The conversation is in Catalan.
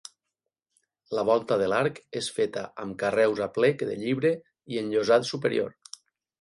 La volta de l'arc és feta amb carreus a plec de llibre i enllosat superior.